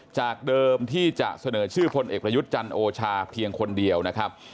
จากเดิมที่จะเสนอชื่อพลเอกประยุทธ์จันทร์โอชาเพียงคนเดียวนะครับ